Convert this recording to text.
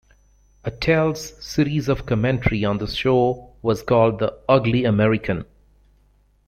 Attell's series of commentary on the show was called "The Ugly American".